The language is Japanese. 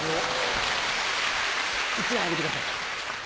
１枚あげてください。